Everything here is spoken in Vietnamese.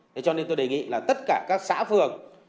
thế cho nên tôi đề nghị là tất cả các xã phường